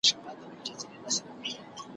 او را یاد مي د خپل زړه د میني اور کم ,